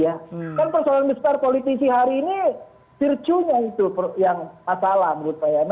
ya kan persoalan besar politisi hari ini virtue nya itu yang masuk ke dalam